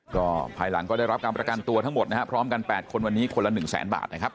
ก็ภายหลังก็ได้รับการประกันตัวทั้งหมดนะครับพร้อมกัน๘คนวันนี้คนละ๑แสนบาทนะครับ